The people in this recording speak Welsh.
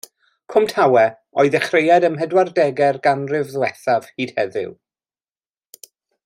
Cwm Tawe, o'i ddechreuad ym mhedwardegau'r ganrif ddiwethaf hyd heddiw.